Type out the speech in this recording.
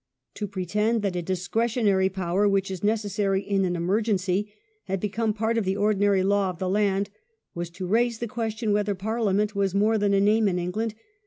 To pretend that a discretionary power, which is necessary in an emergency, had become part of the ordinary law of the land, was to raise the question whether Parliament was more than a name in England.